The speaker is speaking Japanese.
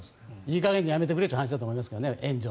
いい加減にやめてくれということだと思いますけどね。